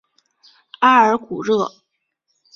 阿尔古热。